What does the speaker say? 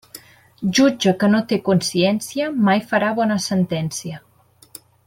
Jutge que no té consciència, mai farà bona sentència.